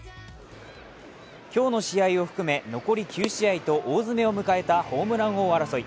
今日の試合を含め残り９試合と大詰めを迎えたホームラン王争い。